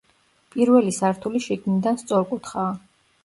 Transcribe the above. პირველი სართული შიგნიდან სწორკუთხაა.